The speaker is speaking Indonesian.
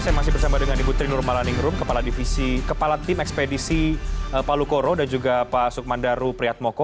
saya masih bersama dengan ibu tri nurmalaningrum kepala tim ekspedisi palu koro dan juga pak sukmandaru prihatmoko